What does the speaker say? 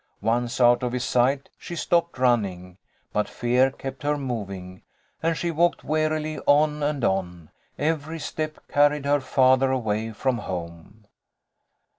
Once out of his sight, she stopped running, but fear kept her moving, and she walked wearily on and on. Every step carried her farther away from home.